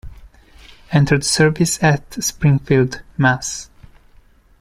Entered service at: Springfield, Mass.